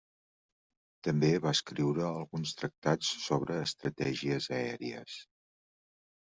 També va escriure alguns tractats sobre estratègies aèries.